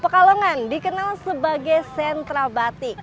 pekalongan dikenal sebagai sentra batik